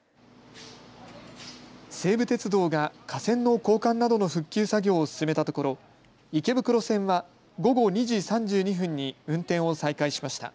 西武鉄道が架線の交換などの復旧作業を進めたところ池袋線は午後２時３２分に運転を再開しました。